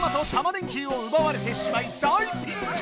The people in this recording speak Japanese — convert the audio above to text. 電Ｑをうばわれてしまい大ピンチ！